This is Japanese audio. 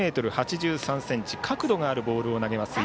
１ｍ８３ｃｍ角度のあるボールを投げる猪俣。